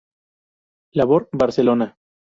Labor, Barcelona.